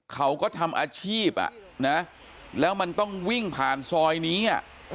เขาก็ทำอาชีพแล้วมันต้องวิ่งผ่านซอยนี้